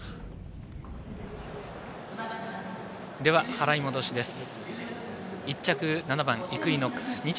払い戻しです。